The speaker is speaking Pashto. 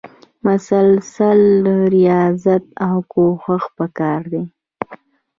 مسلسل ریاضت او کوښښ پکار دی.